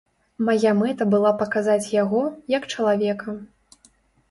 Мая мэта была паказаць яго, як чалавека.